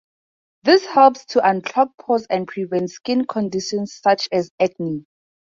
This helps to unclog pores and prevent skin conditions such as acne.